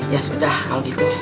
ya sudah kalau gitu